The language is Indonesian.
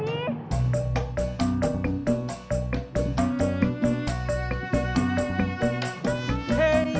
ih kok tau sih